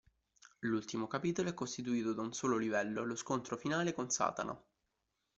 L'ultimo capitolo è costituito da un solo livello, lo "Scontro finale" con Satana.